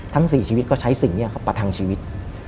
ทั้ง๔ชีวิตก็ใช้สิ่งนี้ประทังชีวิต